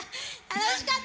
楽しかった。